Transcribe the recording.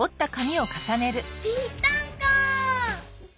ぴったんこ！